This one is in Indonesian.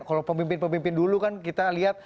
kalau pemimpin pemimpin dulu kan kita lihat